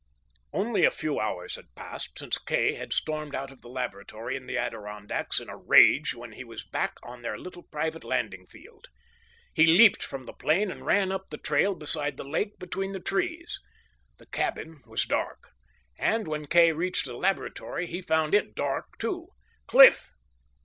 Only a few hours had passed since Kay had stormed out of the laboratory in the Adirondacks in a rage when he was back on their little private landing field. He leaped from the plane and ran up the trail beside the lake between the trees. The cabin was dark; and, when Kay reached the laboratory he found it dark too. "Cliff!